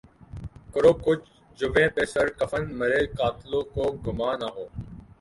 کرو کج جبیں پہ سر کفن مرے قاتلوں کو گماں نہ ہو